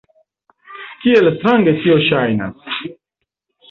Kiel strange tio ŝajnas!